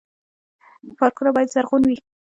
پارکونه باید زرغون وي